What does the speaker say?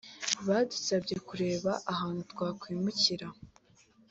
Badusabye kureba ahantu twakwimukira